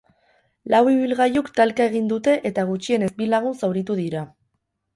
Lau ibilgailuk talka egin dute eta gutxienez bi lagun zauritu dira.